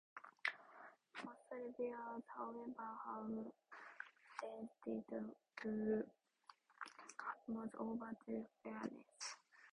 Most reviewers, however, have attested to Ambrose's overall fairness.